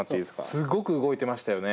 すっごく動いてましたよね。